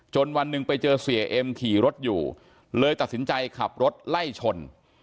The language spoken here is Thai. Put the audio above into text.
วันหนึ่งไปเจอเสียเอ็มขี่รถอยู่เลยตัดสินใจขับรถไล่ชน